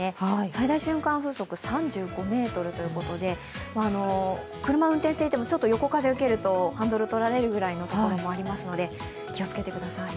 最大瞬間風速３５メートルということで、車を運転していても横風を受けるとハンドルとられるぐらいのところもありますので気をつけてください。